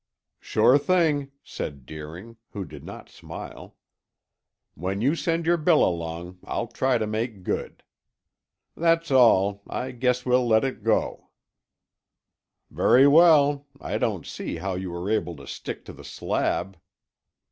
"Sure thing," said Deering, who did not smile. "When you send your bill along, I'll try to make good. That's all; I guess we'll let it go." "Very well. I don't see how you were able to stick to the slab."